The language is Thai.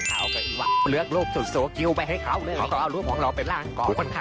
ใครจะไปคิดว่าแพนเค้ก